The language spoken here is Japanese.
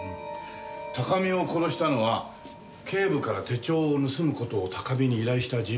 高見を殺したのは警部から手帳を盗む事を高見に依頼した人物です。